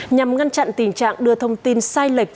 nhằm ngăn chặn tình trạng đưa thông tin sai lệch